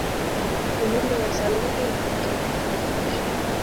Ni mwendo wa saa mbili mpaka tatu kutoka Arusha